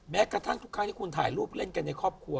แม้กระทั่งทุกครั้งที่คุณถ่ายรูปเล่นกันในครอบครัว